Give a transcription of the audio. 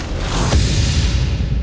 on tunggu jangan pergi om